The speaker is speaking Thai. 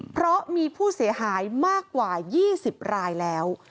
เพราะมีผู้เสียหายมากกว่า๒๐รายแล้ว